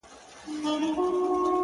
پر مین سول که قاضیان که وزیران وه؛